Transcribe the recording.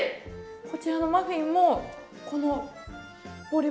こちらのマフィンもこのポリ袋。